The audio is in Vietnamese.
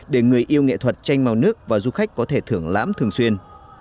để người yêu nghệ thuật tranh màu nước và du khách có thể thưởng lãm thường xuyên